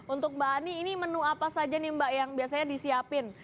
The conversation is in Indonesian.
untuk mbak ani ini menu apa saja nih mbak yang biasanya disiapin